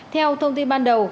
theo thông tin ban đầu